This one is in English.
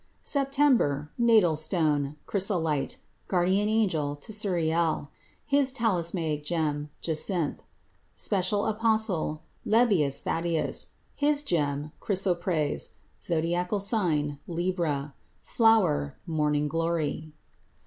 SEPTEMBER Natal stone Chrysolite. Guardian angel Tsuriel. His talismanic gem Jacinth. Special apostle Lebbeus Thaddeus. His gem Chrysoprase. Zodiacal sign Libra. Flower Morning glory.